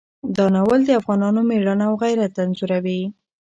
دا ناول د افغانانو مېړانه او غیرت انځوروي.